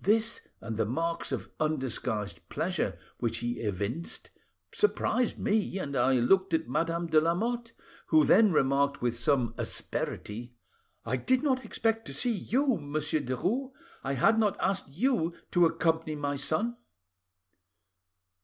This and the marks of undisguised pleasure which he evinced surprised me, and I looked at Madame de Lamotte, who then remarked with some asperity— "'I did not expect to see you, Monsieur Derues. I had not asked you to accompany my son.